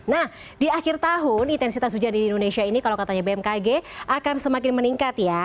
nah di akhir tahun intensitas hujan di indonesia ini kalau katanya bmkg akan semakin meningkat ya